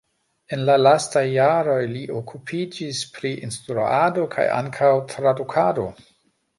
En la lastaj jaroj li okupiĝis pri instruado kaj ankaŭ tradukado.